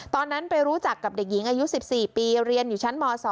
ตอนนั้นไปรู้จักกับเด็กหญิงอายุ๑๔ปีเรียนอยู่ชั้นม๒